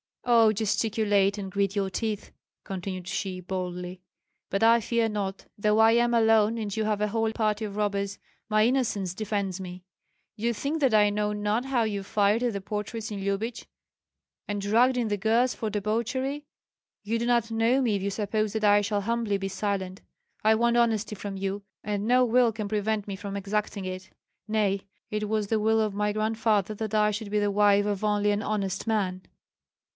"Oh, gesticulate and grit your teeth," continued she, boldly; "but I fear not, though I am alone and you have a whole party of robbers, my innocence defends me. You think that I know not how you fired at the portraits in Lyubich and dragged in the girls for debauchery. You do not know me if you suppose that I shall humbly be silent. I want honesty from you, and no will can prevent me from exacting it. Nay, it was the will of my grandfather that I should be the wife of only an honest man."